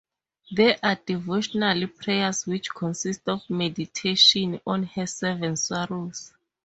There are devotional prayers which consist of meditation on her Seven Sorrows.